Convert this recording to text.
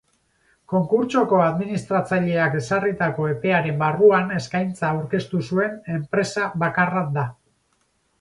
Konkurtsoko administratzaileak ezarritako epearen barruan eskaintza aurkeztu zuen enpresa bakarra da.